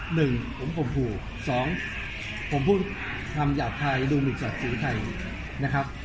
หนึ่งผมผมผูกสองผมพูดคำอยากไทยดูมีสัตว์สีไทยนะครับ